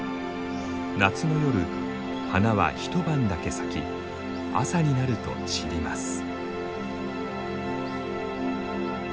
夏の夜花は一晩だけ咲き朝になると散ります。